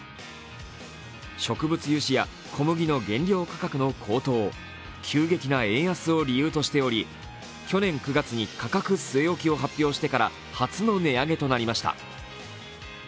植物油脂や小麦の原料価格の高騰急激な円安を理由としており、去年９月に価格据え置きを発表してから初の値上げとなりました。